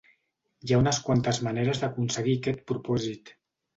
Hi ha unes quantes maneres d’aconseguir aquest propòsit.